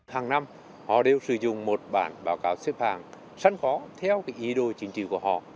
hàng năm họ đều sử dụng một bản báo cáo xếp hàng sẵn có theo ý đồ chính trị của họ